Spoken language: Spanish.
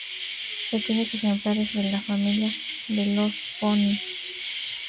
Pequeños ejemplares de la familia de los ponis.